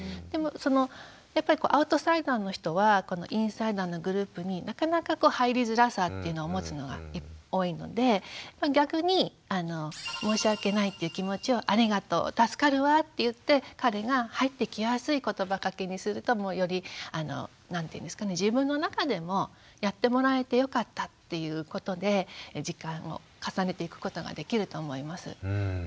でもやっぱりアウトサイダーの人はインサイダーのグループになかなかこう入りづらさっていうのを持つのが多いので逆に申し訳ないっていう気持ちを「ありがとう」「助かるわ」って言って彼が入ってきやすい言葉がけにするとより何ていうんですかね自分の中でもやってもらえてよかったっていうことで時間を重ねていくことができると思います。